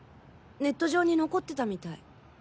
ネット上に残ってたみたい。